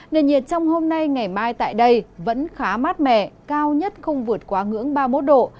nền nhiệt trong hôm nay ngày mai tại đây vẫn khá mát mẻ cao nhất không vượt quá ngưỡng ba mươi một độ